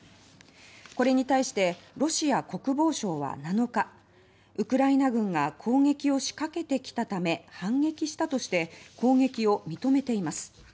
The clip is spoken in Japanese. これに対してロシア国防省は７日ウクライナ軍が攻撃を仕掛けてきたため反撃したとして攻撃を認めています。